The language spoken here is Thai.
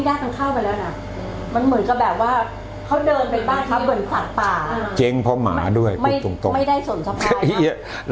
อยู่เป็นบ้านของเขาแล้วเราจะมาตั้งร้านอาหาร